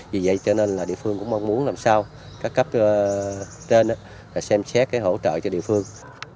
vì vậy cho nên là địa phương cũng mong muốn làm sao các cấp trên xem xét hỗ trợ cho địa phương